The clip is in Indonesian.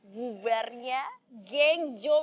bubarnya geng jom